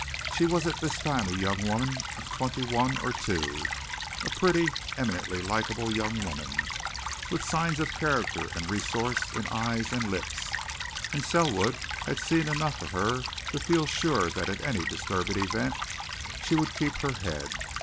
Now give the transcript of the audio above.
She was at this time a young woman of twenty one or two, a pretty, eminently likeable young woman, with signs of character and resource in eyes and lips, and Selwood had seen enough of her to feel sure that in any disturbing event she would keep her head.